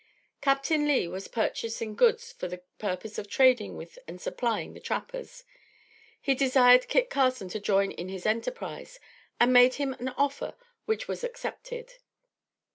Captain Lee was purchasing goods for the purpose of trading with and supplying the trappers. He desired Kit Carson to join in his enterprise and made him an offer which was accepted.